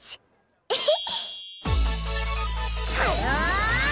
エヘッ。